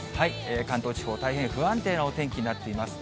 関東地方、大変不安定なお天気になっています。